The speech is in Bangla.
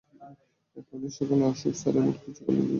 পরের দিন সকালে, অশোক স্যার এমন কিছু করলেন যা তিনি কখনই করেন নি।